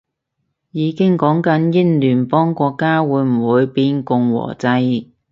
已經講緊英聯邦國家會唔會變共和制